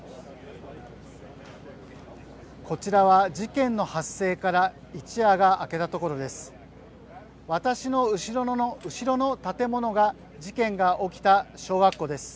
こちらは事件の発生から一夜が明けたところです。